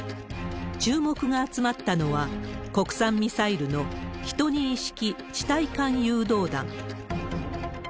注目が集まったのは、国産ミサイルの、１２式地対艦誘導弾。